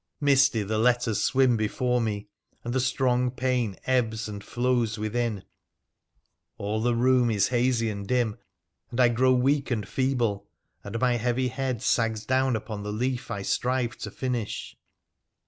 Misty the letters swim before me, and the strong pain ebbs and flows within. All the room is hazy and dim, and I grow weak and feeble, and my heavy head sags down upon the leaf I strive to finish.